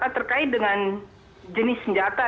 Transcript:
terkait dengan jenis senjata